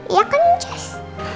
iya kan jess